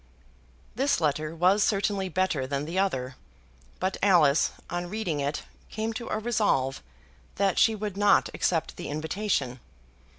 This letter was certainly better than the other, but Alice, on reading it, came to a resolve that she would not accept the invitation.